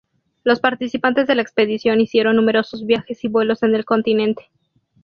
Los participantes de la expedición hicieron numerosos viajes y vuelos en el continente.